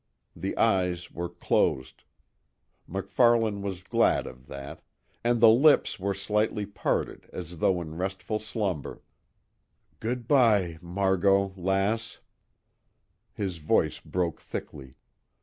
The eyes were closed, MacFarlane was glad of that, and the lips were slightly parted as though in restful slumber. "Good bye Margot lass " his voice broke thickly.